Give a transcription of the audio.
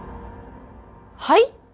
はい？